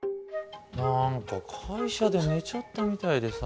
何か会社で寝ちゃったみたいでさ。